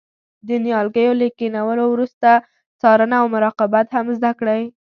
د نیالګیو له کینولو وروسته څارنه او مراقبت هم زده کړئ.